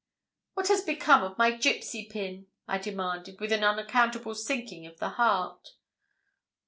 'What has become of my gipsy pin?' I demanded, with an unaccountable sinking of the heart.